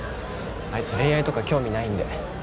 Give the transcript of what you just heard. あいつ恋愛とか興味ないんで。